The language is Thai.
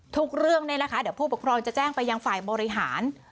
เรื่องนี้นะคะเดี๋ยวผู้ปกครองจะแจ้งไปยังฝ่ายบริหาร